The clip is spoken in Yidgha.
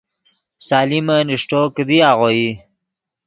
سلیمن اݰٹو، کیدی آغوئی